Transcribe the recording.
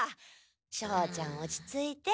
庄ちゃん落ち着いて。